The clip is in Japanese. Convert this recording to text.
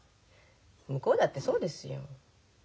向こうだってそうですよ。